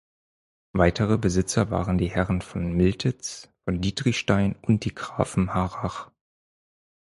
Weitere Besitzer waren die Herren von Miltitz, von Dietrichstein und die Grafen Harrach.